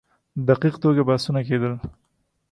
دقیق توګه بحثونه کېدل.